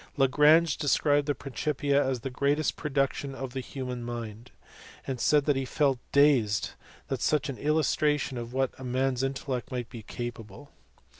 Lagrange described the Principia as the greatest production of the human mind, and said he felt dazed at such an illustration of what man s intellect might be capable.